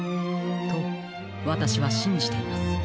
とわたしはしんじています。